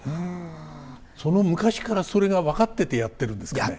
昔からそれが分かっててやってるんですかね。